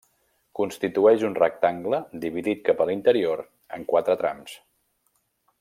Constitueix un rectangle dividit cap a l'interior en quatre trams.